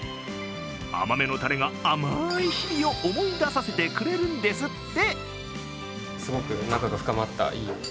甘めのたれが甘い日々を思い出させてくれるんですって！